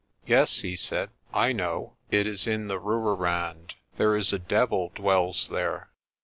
"Yes," he said, "I know. It is in the Rooirand. There is a devil dwells there."